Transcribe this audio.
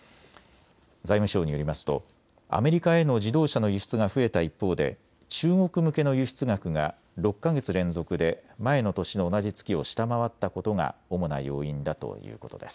財務省によりますとアメリカへの自動車の輸出が増えた一方で中国向けの輸出額が６か月連続で前の年の同じ月を下回ったことが主な要因だということです。